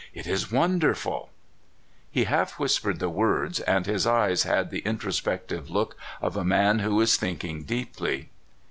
It is wonderful !" He half whispered the words, and his eyes had the introspective look of a man who is thinking deeply.